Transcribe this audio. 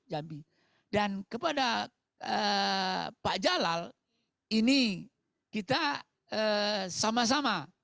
jambi dan kepada pak jalal ini kita sama sama